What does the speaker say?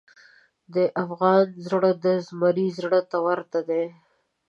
د افغان زړه د زمري زړه ته ورته دی.